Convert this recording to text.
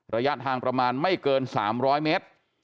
ระยะทางประมาณไม่เกิน๓๐๐เมตร